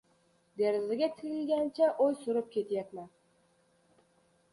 Derazadan tashqariga tikilgancha o‘y surib ketyapman.